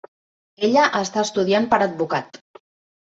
Ella està estudiant per advocat.